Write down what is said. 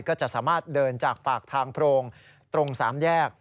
ก็จะสามารถเดินจากปากทางโพรงตรง๓แยก